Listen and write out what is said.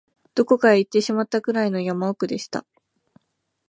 どこかへ行ってしまったくらいの山奥でした